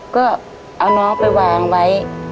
ก็เอาน้องไปวางไว้